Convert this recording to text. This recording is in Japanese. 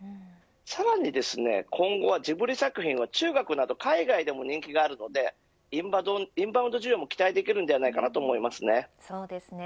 さらに今後はジブリ作品は中国など海外でも人気があるのでインバウンド需要も期待できるのではないかとそうですね